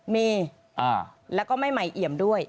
มีแล้วก็ไม่ใหม่เอี่ยมด้วย